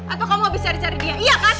atau kamu habis cari dia iya kan